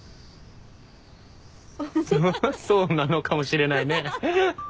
そそうなのかもしれないね。